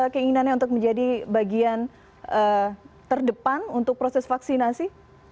keinginannya untuk menjadi bagian terdepan untuk proses vaksinasi